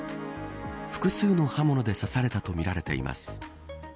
複数の刃物で刺されたとみられています。